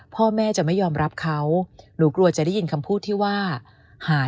พ่อแม่จะไม่ยอมรับเขาหนูกลัวจะได้ยินคำพูดที่ว่าหา